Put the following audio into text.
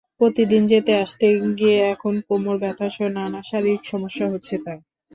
প্রতিদিন যেতে-আসতে গিয়ে এখন কোমর ব্যথাসহ নানা শারীরিক সমস্যা হচ্ছে তাঁর।